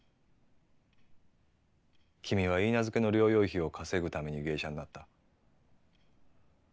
君はいいなずけの療養費を稼ぐために芸者になった。